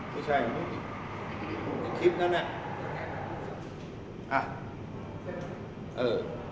ไม่ใช่ในคลิปนั้นน่ะอ่ะเออ